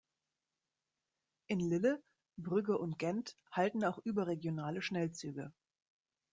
In Lille, Brügge und Gent halten auch überregionale Schnellzüge.